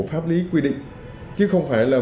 pháp lý quy định chứ không phải là